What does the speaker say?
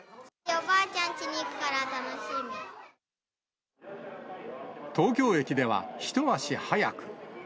おばあちゃんちに行くから楽東京駅では、一足早く。